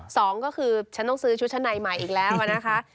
สองก็คือฉันต้องซื้อชุดชั้นในใหม่อีกแล้วนะคะ